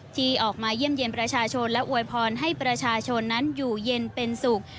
ที่ออกมาเยี่ยมเยี่ยมประชาชนและอวยพรให้ประชาชนนั้นอยู่เย็นเป็นสุข